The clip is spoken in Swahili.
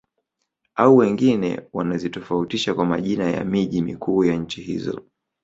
Au wengine wanazitofautisha kwa majina ya miji mikuu ya nchi hizo